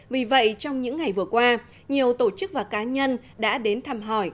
vì vậy trong những ngày vừa qua nhiều tổ chức và cá nhân đã đến thăm hỏi